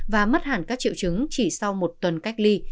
và mất hẳn các triệu chứng chỉ sau một tuần cách ly